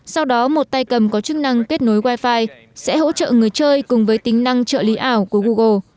sau đó một tay cầm có chức năng kết nối wifi sẽ hỗ trợ người chơi cùng với tính năng trợ lý ảo của google